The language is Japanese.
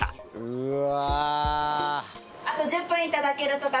うわ。